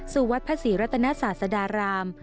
วัดพระศรีรัตนศาสดาราม